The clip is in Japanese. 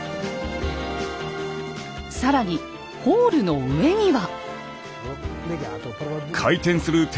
更にホールの上には。